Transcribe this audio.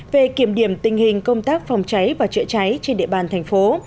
về kiểm điểm tình hình công tác phòng cháy và chữa cháy trên địa bàn thành phố